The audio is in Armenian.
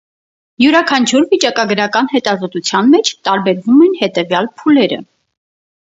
Յուրաքանչյուր վիճակագրական հետազոտության մեջ տարբերվում են հետևյալ փուլերը։